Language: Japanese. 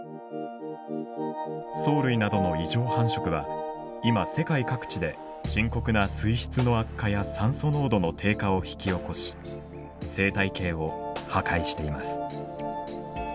藻類などの異常繁殖は今世界各地で深刻な水質の悪化や酸素濃度の低下を引き起こし生態系を破壊しています。